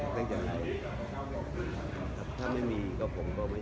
จะให้มีนโยบายชัดเจนแล้วก็จะให้ผมไปคุยกับศิษย์บาลกรายการอย่างไร